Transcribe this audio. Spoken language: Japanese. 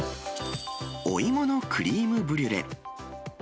おいものクリームブリュレ。